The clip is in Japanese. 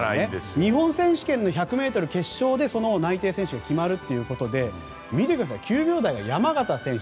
日本選手権の１００ｍ決勝でその内定選手が決まるということで９秒台が山縣選手